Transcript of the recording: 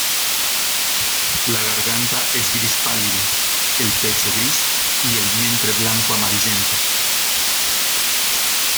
La garganta es gris pálido, el pecho gris y el vientre blanco amarillento.